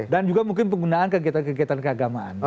dan juga mungkin penggunaan kegiatan kegiatan keagamaan